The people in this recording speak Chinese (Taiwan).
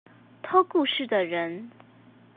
偷故事的人